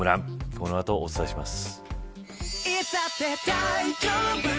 この後、お伝えします。